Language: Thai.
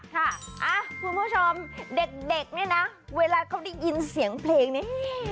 คุณผู้ชมเด็กนี่นะเวลาเขาได้ยินเสียงเพลงนี้